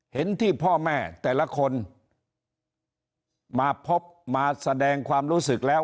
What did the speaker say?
เห็นที่พ่อแม่แต่ละคนมาพบมาแสดงความรู้สึกแล้ว